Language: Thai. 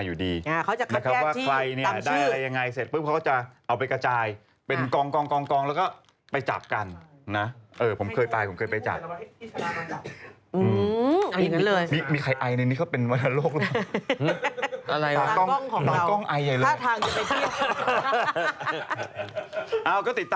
แยกเปอร์ทชนิยบาทที่คุณส่งมาอยู่ดี